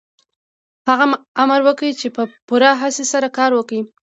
هغه امر کوي چې په پوره هڅې سره کار وکړئ